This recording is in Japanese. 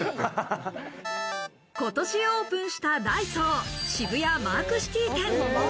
今年オープンしたダイソー、渋谷マークシティ店。